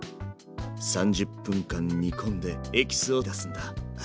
３０分間煮込んでエキスを出すんだ。